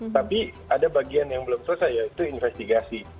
tapi ada bagian yang belum selesai yaitu investigasi